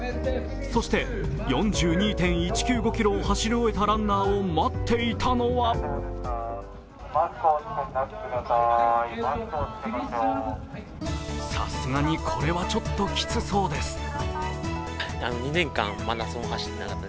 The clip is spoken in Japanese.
そして、４２．１９５ｋｍを走り終えたランナーを待っていたのはさすがに、これはちょっときつそうです。